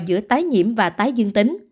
giữa tái nhiễm và tái dương tính